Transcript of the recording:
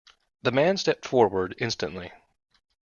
The man stepped forward instantly.